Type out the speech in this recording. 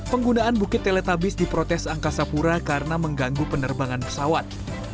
penggunaan bukit teletabis diprotes angkasa pura karena mengganggu penerbangan pesawat